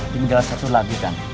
tinggal satu lagi kan